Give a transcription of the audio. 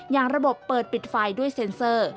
ระบบเปิดปิดไฟด้วยเซ็นเซอร์